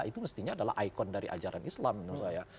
itu mestinya adalah ikon dari ajaran islam menurut saya